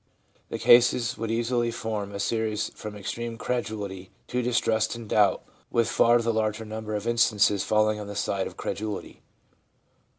The cases would easily form a series from extreme credulity to distrust and doubt, with far the larger number of instances falling on the side of credulity.